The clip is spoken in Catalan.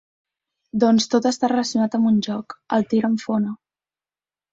Doncs tot està relacionat amb un joc, el tir amb fona.